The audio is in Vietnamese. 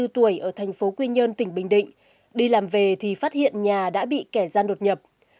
hai mươi bốn tuổi ở thành phố quy nhơn tỉnh bình định đi làm về thì phát hiện nhà đã bị kẻ gian đột nhập